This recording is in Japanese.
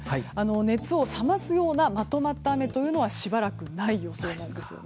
熱を冷ますようなまとまった雨はしばらくない予想です。